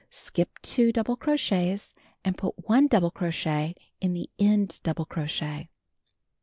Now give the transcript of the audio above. Skip 2 double crochets and put 1 double crochet in the end double crochet.